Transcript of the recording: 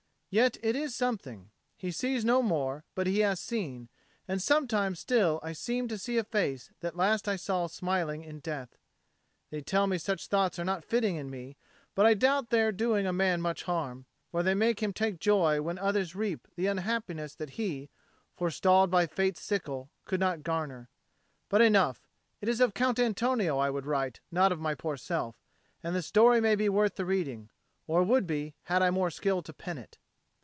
Yet it is something; he sees no more, but he has seen; and sometimes still I seem to see a face that last I saw smiling in death. They tell me such thoughts are not fitting in me, but I doubt their doing a man much harm; for they make him take joy when others reap the happiness that he, forestalled by fate's sickle, could not garner. But enough! It is of Count Antonio I would write, and not of my poor self. And the story may be worth the reading or would be, had I more skill to pen it.